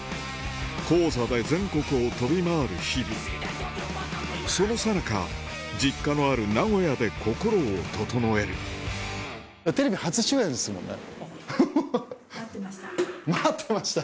高座で全国を飛び回る日々そのさなか実家のある名古屋で心を整える「待ってました」